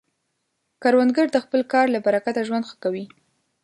کروندګر د خپل کار له برکته ژوند ښه کوي